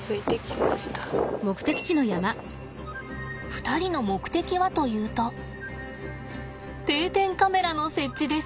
２人の目的はというと定点カメラの設置です。